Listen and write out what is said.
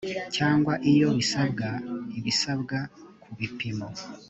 cyangwa iyo bisabwa ibisabwa ku bipimo